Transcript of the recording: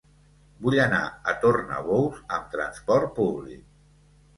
Vull anar a Tornabous amb trasport públic.